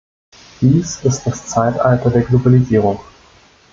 Dies ist das Zeitalter der Globalisierung.